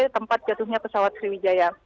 tempat jatuhnya pesawat sriwijaya